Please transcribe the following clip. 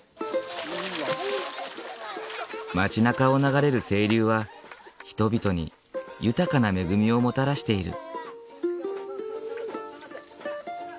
町なかを流れる清流は人々に豊かな恵みをもたらしている。